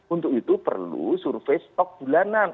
untuk itu perlu survei stok bulanan